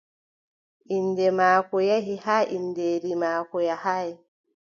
Innde maako yehi har inndeeri maako yahaay.